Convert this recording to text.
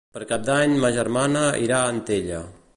Per Cap d'Any ma germana irà a Antella.